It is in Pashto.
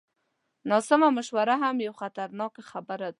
ناسمه مشوره هم یوه خطرناکه خبره ده.